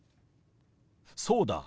そうだ。